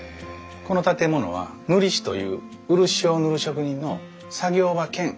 この建物は塗師という漆を塗る職人の作業場兼住居だったんです。